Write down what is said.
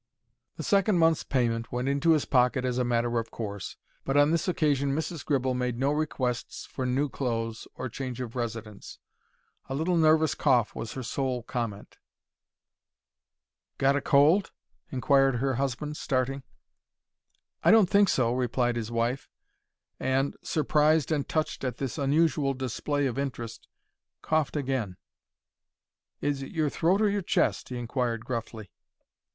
The second month's payment went into his pocket as a matter of course, but on this occasion Mrs. Gribble made no requests for new clothes or change of residence. A little nervous cough was her sole comment. "Got a cold?" inquired her husband, starting. "I don't think so," replied his wife, and, surprised and touched at this unusual display of interest, coughed again. "Is it your throat or your chest?" he inquired, gruffly. Mrs.